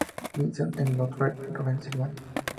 Vincent en Latrobe, Pensilvania.